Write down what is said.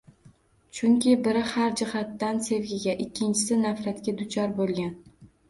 Chunki biri har jihatdan sevgiga, ikkinchisi nafratga duchor bo'lgan.